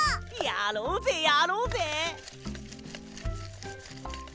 やろうぜやろうぜ！